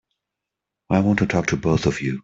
I want to talk to both of you.